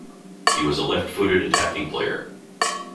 He was a left-footed attacking player.